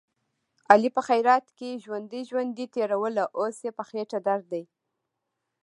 علي په خیرات کې ژوندۍ ژوندۍ تېروله، اوس یې په خېټه درد دی.